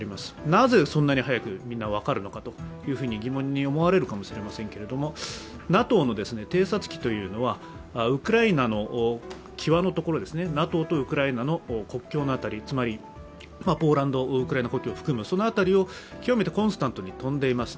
なぜそんなに早くみんな分かるのかと疑問に思われるかもしれませんけれども、ＮＡＴＯの偵察機はウクライナの際のところ、ＮＡＴＯとウクライナの国境の辺り、つまりポーランド、ウクライナ国境を含むその辺りを極めてコンスタントに飛んでいます。